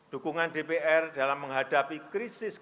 dukungan dpr dalam menghadapi krisis